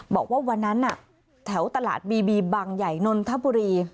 บอกว่าวันนั้นแถวตลาดบีบีบางใหญ่นนทบุรี